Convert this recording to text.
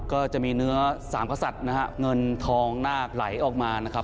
ก็จะมีเนื้อสามกษัตริย์นะฮะเงินทองนาคไหลออกมานะครับ